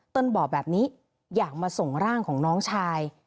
บอกแบบนี้อยากมาส่งร่างของน้องชาย